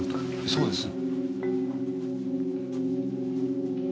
そうです。